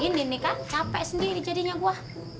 ini nih kak capek sendiri jadinya gua